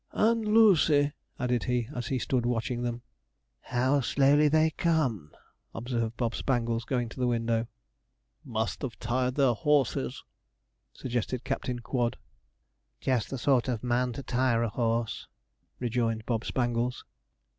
'And Lucy!' added he as he stood watching them. 'How slowly they come!' observed Bob Spangles, going to the window. 'Must have tired their horses,' suggested Captain Quod. 'Just the sort of man to tire a horse,' rejoined Bob Spangles.